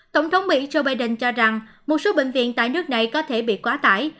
tổng thống mỹ joe biden cho rằng một số bệnh viện tại nước này có thể bị quá tải